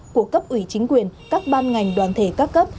của cấp ủy chính quyền các ban ngành đoàn thể các cấp